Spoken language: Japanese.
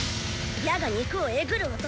矢が肉をえぐる音